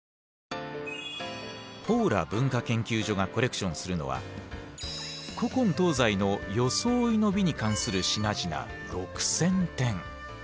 ポーラ文化研究所がコレクションするのはに関する品々６，０００点。